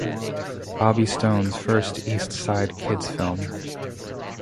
Bobby Stone's first East Side Kids film.